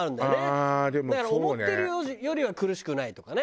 だから思ってるよりは苦しくないとかね。